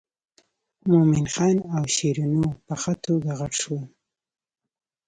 مومن خان او شیرینو په ښه توګه غټ شول.